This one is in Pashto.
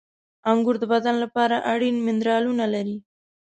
• انګور د بدن لپاره اړین منرالونه لري.